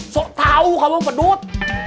sok tau kamu pedut